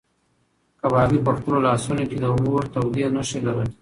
کبابي په خپلو لاسو کې د اور تودې نښې لرلې.